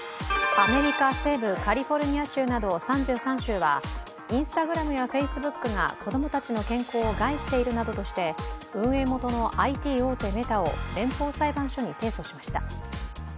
アメリカ西部カリフォルニア州など３３州はＩｎｓｔａｇｒａｍやＦａｃｅｂｏｏｋが子供たちの健康を害しているなどとして運営元のＩＴ大手メタを連邦裁判所に提訴しました。